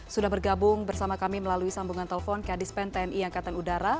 sudah bergabung bersama kami melalui sambungan telpon ke adispen tni angkatan udara